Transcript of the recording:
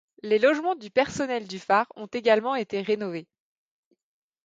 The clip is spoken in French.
Les logements du personnel du phare ont également été rénovés.